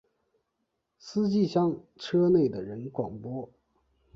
司机向车内的人广播